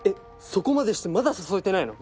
そこまでしてまだ誘えてないの？